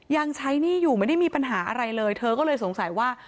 ยังใช้หนี้อยู่ไม่ได้มีปัญหาอะไรเลยเธอก็เลยสงสัยว่า